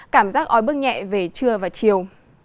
cảm giác ói bước nhẹ về trưa và chiều